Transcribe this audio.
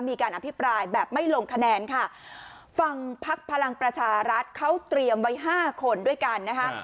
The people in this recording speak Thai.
มีการอภิปรายแบบไม่ลงคะแนนค่ะฝั่งพักพลังประชารัฐเขาเตรียมไว้ห้าคนด้วยกันนะคะ